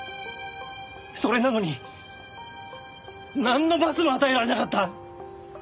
それなのになんの罰も与えられなかった。